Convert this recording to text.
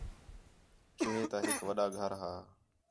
چوہے تا ہِک وݙّا گھر ہا